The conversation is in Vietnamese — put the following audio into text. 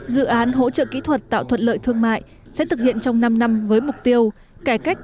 dự án hỗ trợ kỹ thuật tạo thuận lợi thương mại sẽ thực hiện trong năm năm với mục tiêu cải cách